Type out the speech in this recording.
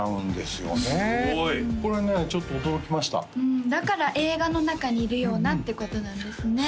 すごいこれねちょっと驚きましたうんだから「映画の中にいるような」ってことなんですね